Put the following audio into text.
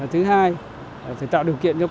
thứ hai phải tạo điều kiện cho quảng trường